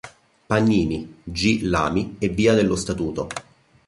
Pagnini, G. Lami e via dello Statuto.